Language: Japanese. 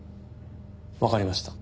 わかりました。